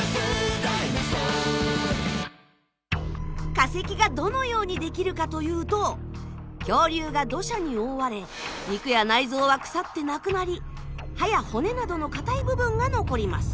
化石がどのようにできるかというと恐竜が土砂に覆われ肉や内臓は腐ってなくなり歯や骨などの硬い部分が残ります。